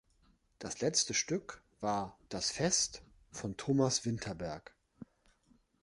Das letzte Stück war Das Fest von Thomas Vinterberg.